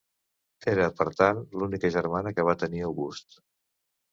Era, per tant, l'única germana que va tenir August.